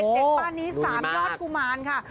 เด็กบ้านนี้สามยอดกุมารค่ะ